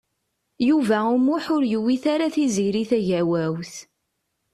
Yuba U Muḥ ur yewwit ara Tiziri Tagawawt.